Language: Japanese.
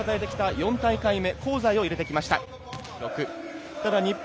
４大会目香西を入れてきました。